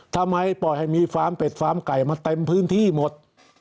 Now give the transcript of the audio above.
ทำไมปล่อยให้มีฟาร์มเป็ดฟาร์มไก่มาเต็มพื้นที่หมด